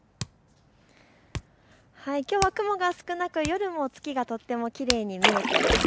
きょうは雲が少なく夜も月がとってもきれいに見えています。